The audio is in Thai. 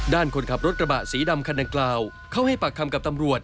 คนขับรถกระบะสีดำคันดังกล่าวเข้าให้ปากคำกับตำรวจ